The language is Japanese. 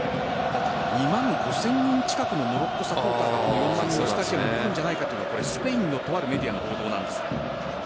２万５０００人近くのモロッコサポーターがこのスタジアムにいるんじゃないかというスペインのとあるメディアの報道なんですが。